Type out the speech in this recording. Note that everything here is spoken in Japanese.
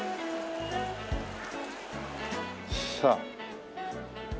さあ。